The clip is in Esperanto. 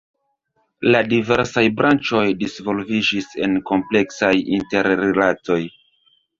La diversaj branĉoj disvolviĝis en kompleksaj interrilatoj.